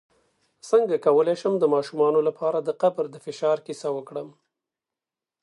څنګه کولی شم د ماشومانو لپاره د قبر د فشار کیسه وکړم